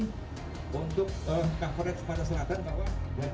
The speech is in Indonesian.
untuk kakoret pada selatan